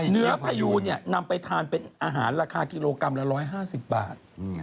เนื้อพยูเนี่ยนำไปทานเป็นอาหารราคากิโลกรัมละ๑๕๐บาท